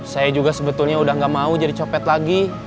saya juga sebetulnya udah gak mau jadi copet lagi